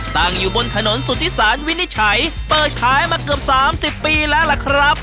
ตั้งอยู่บนถนนสุธิสารวินิจฉัยเปิดขายมาเกือบ๓๐ปีแล้วล่ะครับ